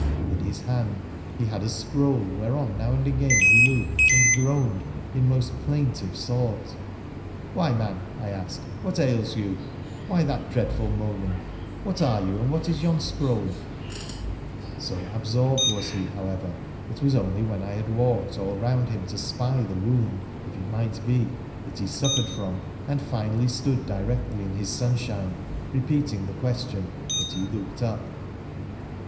In his hand he had a scroll whereon now and again he looked, and groaned in most plaintive sort. ' Why, man,' I asked, ' what ails you ? Why that dreadful moaning ? What are you, and what is yon scroll ?' So ab sorbed was he, however, it was only when I had walked all round him to spy the wound, if it might be, that he suffered from, and finally stood directly in his sunshine, repeating the question, that he looked up.